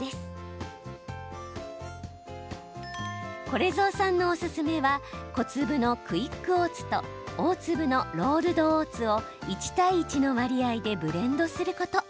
これぞうさんのおすすめは小粒のクイックオーツと大粒のロールドオーツを１対１の割合でブレンドすること。